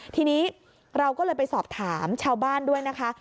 ทีนี้เราก็เลยไปสอบถามชาวบ้านด้วยนะคะ